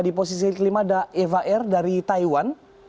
di posisi kelima ada eva air dari taiwan